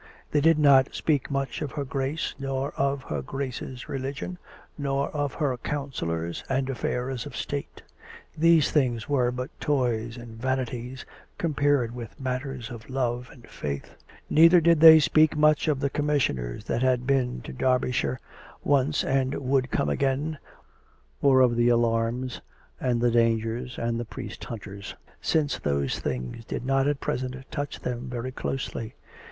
They did not speak much of her Grace, nor of her Grace's religion, nor of her counsellors and affairs of s'tate: these things were but toys and vanities compared with matters of love and faith; neither did they speak much of the Commission ers that had been to Derbyshire once and would come again, or of the alarms and the dangers and the priest hunters, since those things did not at present touch them very closely.